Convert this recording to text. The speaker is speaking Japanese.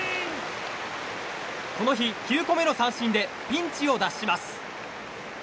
この日９個目の三振でピンチを脱します。